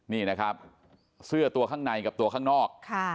นี่นะครับเสื้อตัวข้างในกับตัวข้างนอก